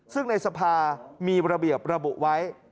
ซึ่งในสภามีระเบียบระบุไว้